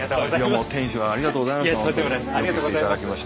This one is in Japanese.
ありがとうございます。